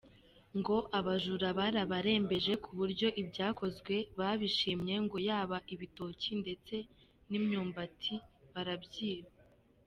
Ngo abajura barabarembeje kuburyo ibyakozwe babishimye ngo yaba ibitoki ndetse n’imyumbati barabyiba.